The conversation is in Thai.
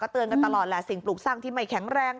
เตือนกันตลอดแหละสิ่งปลูกสร้างที่ไม่แข็งแรง